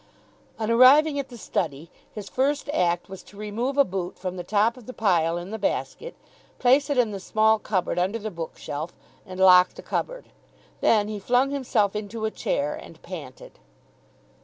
On arriving at the study, his first act was to remove a boot from the top of the pile in the basket, place it in the small cupboard under the bookshelf, and lock the cupboard. Then he flung himself into a chair and panted.